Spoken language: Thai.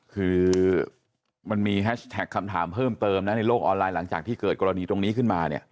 คือมันมีแฮชแท็กคำถามเพิ่มเติมนะในโลกออนไลน์หลังจากที่เกิดกรณีตรงนี้ขึ้นมาเนี่ย